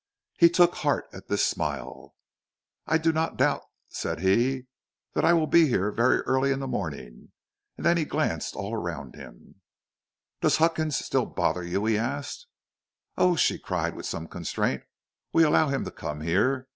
He took heart at this smile. "I do not doubt," said he, "that I shall be here very early in the morning." And then he glanced all around him. "Does Huckins still bother you?" he asked. "Oh," she cried, with some constraint, "we allow him to come here.